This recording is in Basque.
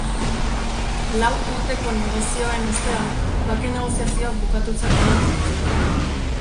Lau urteko negoziazioen ostean, bake negoziazioak bukatutzat eman dituzte.